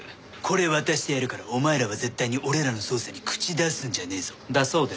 これ渡してやるからお前らは絶対に俺らの捜査に口出すんじゃねえぞだそうです。